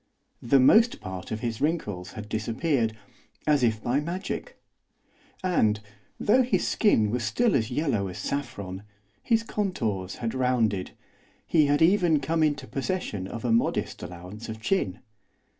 The most part of his wrinkles had disappeared, as if by magic. And, though his skin was still as yellow as saffron, his contours had rounded, he had even come into possession of a modest allowance of chin.